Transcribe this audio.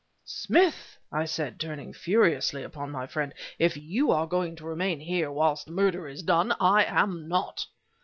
"Smith!" I said, turning furiously upon my friend, "if you are going to remain here whilst murder is done, I am not!"